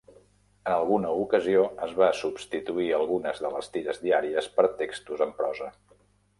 En alguna ocasió es va substituir algunes de les tires diàries per textos en prosa.